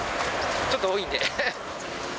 ちょっと多いんで。